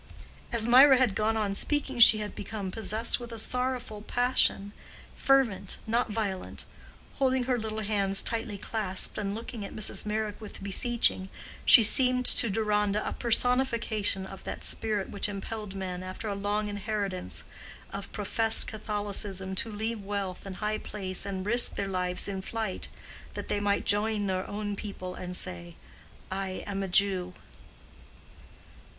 As Mirah had gone on speaking she had become possessed with a sorrowful passion—fervent, not violent. Holding her little hands tightly clasped and looking at Mrs. Meyrick with beseeching, she seemed to Deronda a personification of that spirit which impelled men after a long inheritance of professed Catholicism to leave wealth and high place and risk their lives in flight, that they might join their own people and say, "I am a Jew."